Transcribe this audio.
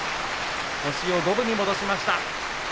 星を五分に戻しました。